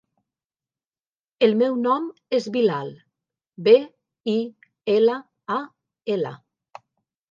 El meu nom és Bilal: be, i, ela, a, ela.